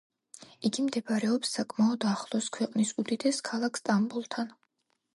იგი მდებარეობს საკმაოდ ახლოს ქვეყნის უდიდეს ქალაქ სტამბოლთან.